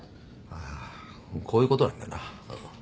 あこういうことなんだなうん。